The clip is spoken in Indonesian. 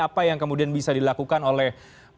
apa yang kemudian bisa dilakukan oleh